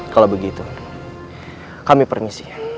kalau begitu kami permisi